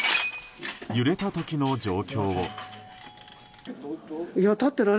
揺れた時の状況を。